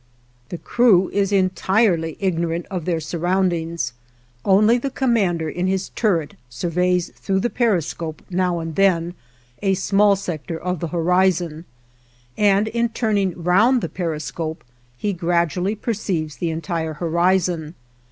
The crew is entirely ignorant of their surroundings. Only the commander in his turret surveys through the periscope now and then a small sector of the horizon; and in turning round the periscope he gradually perceives the entire horizon.